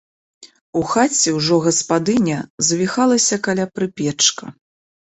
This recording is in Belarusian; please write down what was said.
У хаце ўжо гаспадыня завіхалася каля прыпечка.